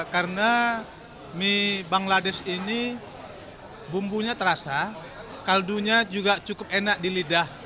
karena mie bangladesh ini bumbunya terasa kaldunya juga cukup enak di lidah